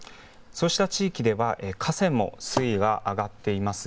そうした地域では河川も水位が上がっています。